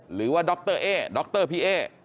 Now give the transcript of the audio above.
หรือว่าดรเอ๊ดรพี่เอ๊